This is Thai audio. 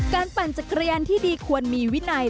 ปั่นจักรยานที่ดีควรมีวินัย